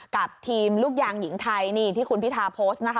กับทีมลูกยางหญิงไทยที่คุณพิทาโพสต์